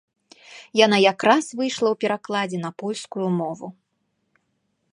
Яна якраз выйшла ў перакладзе на польскую мову.